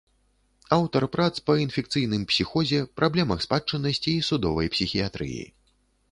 Аўтар прац па інфекцыйным псіхозе, праблемах спадчыннасці і судовай псіхіятрыі.